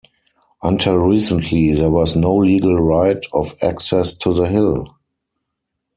Until recently there was no legal right of access to the hill.